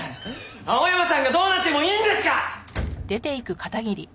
青山さんがどうなってもいいんですか！